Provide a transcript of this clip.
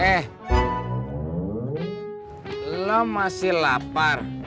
eh lo masih lapar